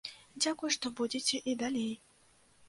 Дзякуй, што будзеце і далей!